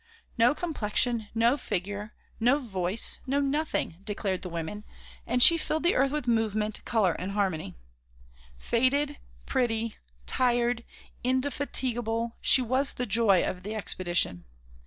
"No complexion, no figure, no voice, no nothing," declared the women, and she filled the earth with movement, colour and harmony. Faded, pretty, tired, indefatigable, she was the joy of the expedition.